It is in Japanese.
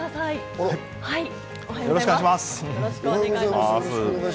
よろしくお願いします。